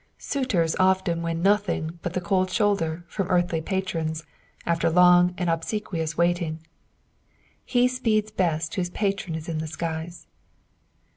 Suitors often win nothing but the cold shoulder from earthly patrons after long and obsequious waiting ; he speeds best whose patron is in the skies.